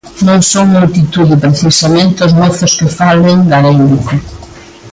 Non son multitude precisamente os mozos que falen gaélico.